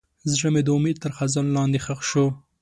زړه مې د امید تر خزان لاندې ښخ شو.